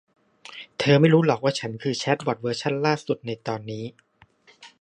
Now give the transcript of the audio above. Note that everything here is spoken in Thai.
เธอไม่รู้หรอว่าฉันคือแชทบอท เวอร์ชั่นล่าสุดในตอนนี้